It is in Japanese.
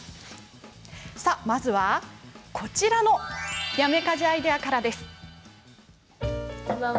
まずは、こちらのやめ家事アイデアからです。